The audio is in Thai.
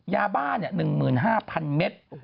ยาบ้านิยะ๑๕๐๐๐เมตร